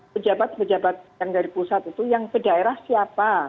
pejabat pejabat yang dari pusat itu yang ke daerah siapa